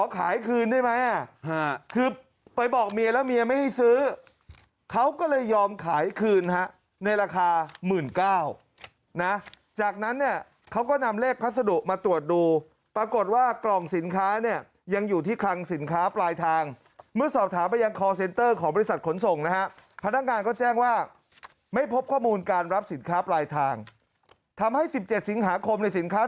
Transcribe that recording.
ขายคืนได้ไหมคือไปบอกเมียแล้วเมียไม่ให้ซื้อเขาก็เลยยอมขายคืนฮะในราคา๑๙๐๐นะจากนั้นเนี่ยเขาก็นำเลขพัสดุมาตรวจดูปรากฏว่ากล่องสินค้าเนี่ยยังอยู่ที่คลังสินค้าปลายทางเมื่อสอบถามไปยังคอร์เซ็นเตอร์ของบริษัทขนส่งนะฮะพนักงานก็แจ้งว่าไม่พบข้อมูลการรับสินค้าปลายทางทำให้๑๗สิงหาคมในสินค้า